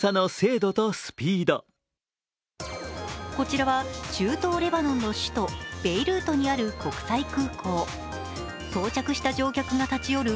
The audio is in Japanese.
こちらは中東レバノンの首都ベイルートにある国際空港、到着した乗客が立ち寄る